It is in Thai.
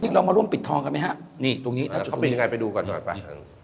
เรามาร่วมปิดทองกันไหมฮะนี่ตรงนี้เขาเป็นยังไงไปดูก่อนหน่อยไป